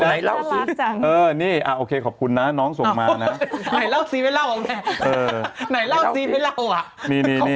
นี่นี่นี่เขาบอกว่าอย่างนี้